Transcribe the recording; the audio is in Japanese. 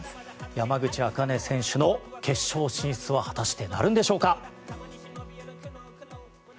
山口茜選手の決勝進出は果たしてなるんでしょうか。